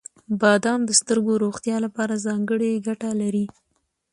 • بادام د سترګو روغتیا لپاره ځانګړې ګټه لري.